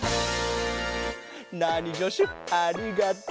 ナーニじょしゅありがとう。